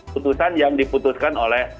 putusan yang diputuskan oleh